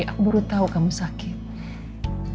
aku baru tahu kamu sakit